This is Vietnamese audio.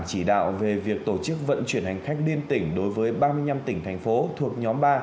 chỉ đạo về việc tổ chức vận chuyển hành khách liên tỉnh đối với ba mươi năm tỉnh thành phố thuộc nhóm ba